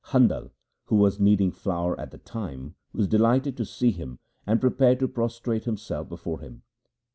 Handal, who was kneading flour at the time, was delighted to see him, and prepared to prostrate himself before him.